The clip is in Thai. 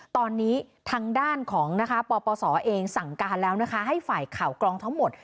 ตอนนี้ทางด้านของนะคะปปศเองสั่งการแล้วนะคะให้ฝ่ายข่าวกรองทั้งหมด